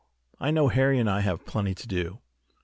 I know Harry and I have plenty to do."